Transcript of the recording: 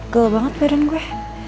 gel banget badan gue